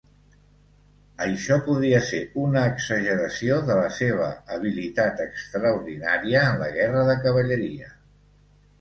Això podria ser una exageració de la seva habilitat extraordinària en la guerra de cavalleria.